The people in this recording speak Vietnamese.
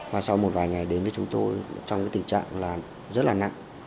và sau một vài ngày đến với chúng tôi trong cái tình trạng là rất là nặng